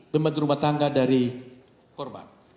pembantu rumah tangga dari korban